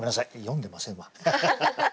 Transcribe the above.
読んでませんわ。